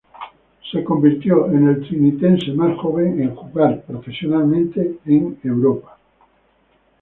Se convirtió en el trinitense más joven en jugar profesionalmente en Europa.